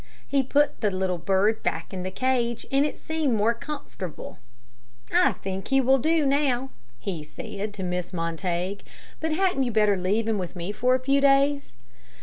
He put the little bird back in the cage, and it seemed more comfortable "I think he will do now," he said to Mrs. Montague, "but hadn't you better leave him with me for a few days?"